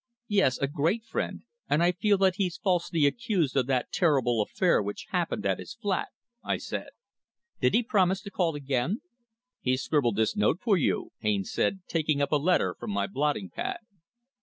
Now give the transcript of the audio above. "Yes, a great friend, and I feel that he's falsely accused of that terrible affair which happened at his flat," I said. "Did he promise to call again?" "He scribbled this note for you," Haines said, taking up a letter from my blotting pad.